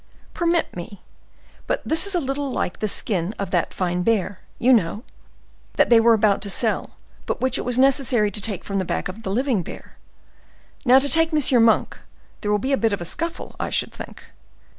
"Permit me! But this is a little like the skin of that fine bear—you know—that they were about to sell, but which it was necessary to take from the back of the living bear. Now, to take M. Monk, there will be a bit of a scuffle, I should think."